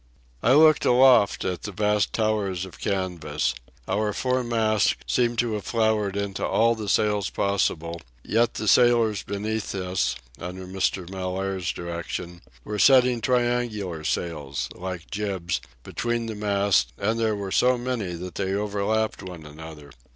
I looked aloft at the vast towers of canvas. Our four masts seemed to have flowered into all the sails possible, yet the sailors beneath us, under Mr. Mellaire's direction, were setting triangular sails, like jibs, between the masts, and there were so many that they overlapped one another.